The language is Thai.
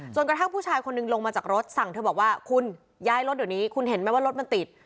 กระทั่งผู้ชายคนหนึ่งลงมาจากรถสั่งเธอบอกว่าคุณย้ายรถเดี๋ยวนี้คุณเห็นไหมว่ารถมันติด